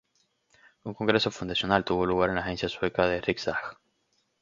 Un congreso fundacional tuvo lugar en la agencia sueca de Riksdag.